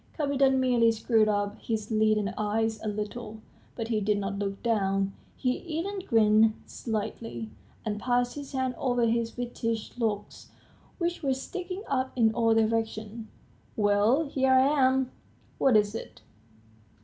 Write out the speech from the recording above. Kapiton merely screwed up his leaden eyes a little, but he did not look down; he even grinned slightly, and passed his hand over his whitish locks which were sticking up in all directions. "Well, here I am. What is it?"